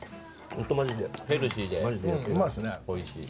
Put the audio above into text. ヘルシーでおいしい。